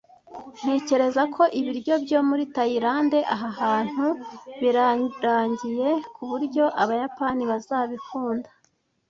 Ntekereza ko ibiryo byo muri Tayilande aha hantu birarangiye kuburyo abayapani bazabikunda.